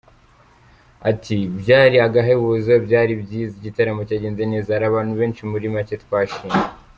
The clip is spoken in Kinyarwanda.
Ati "Byari agahebuzo, byari byiza, igitaramo cyagenze neza, hari abantu benshi, muri make twashimye.